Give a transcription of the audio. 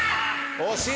惜しい！